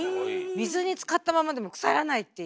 水に浸かったままでも腐らないっていう。